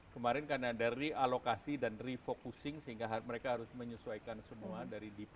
kemarin karena ada realokasi dan refocusing sehingga mereka harus menyesuaikan semua dari dipanya